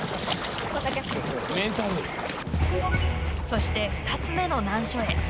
そして、２つ目の難所へ。